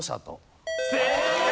正解！